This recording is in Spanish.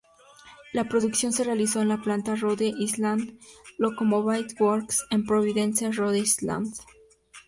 La producción se realizó en la planta Rhode Island Locomotive Works en Providence, Rhode-Island.